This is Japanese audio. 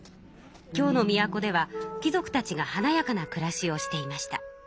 京の都では貴族たちがはなやかなくらしをしていました。